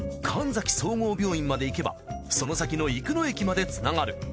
神崎総合病院まで行けばその先の生野駅までつながる。